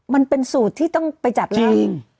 มันเป็นสูตรที่ต้องไปจัดเอง